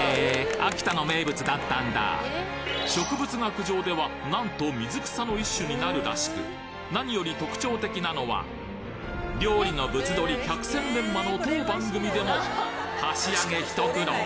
秋田の名物だったんだ植物学上ではなんと水草の一種になるらしく何より特徴的なのは料理のブツ撮り百戦錬磨の当番組でもハシあげ一苦労！